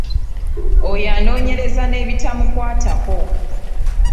Oyo anoonyereza n'ebitamukwatako.